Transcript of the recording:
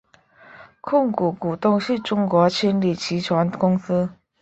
控股股东是中国青旅集团公司。